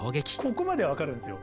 ここまでは分かるんですよ。